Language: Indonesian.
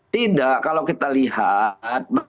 tidak kalau kita lihat